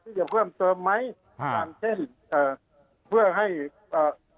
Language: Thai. จะเพิ่มเติมไหมค่ะอย่างเช่นเอ่อเพื่อให้เอ่อ